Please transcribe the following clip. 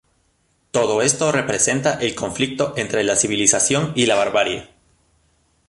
Todo esto representa el conflicto entre la civilización y la barbarie.